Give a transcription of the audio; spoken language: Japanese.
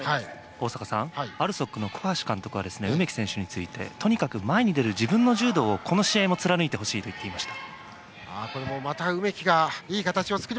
大坂さん、ＡＬＳＯＫの監督は梅木選手についてとにかく前に出る自分の柔道をこの試合も貫いてほしいと言っていました。